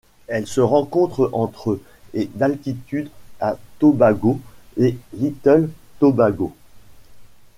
Elle se rencontre entre et d'altitude à Tobago et Little Tobago.